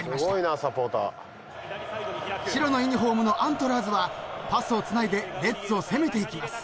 ［白のユニホームのアントラーズはパスをつないでレッズを攻めていきます］